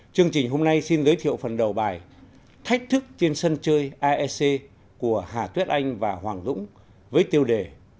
chương trình hôm nay xin giới thiệu phần đầu bài thách thức trên sân chơi aec của hà tuyết anh và hoàng dũng với tiêu đề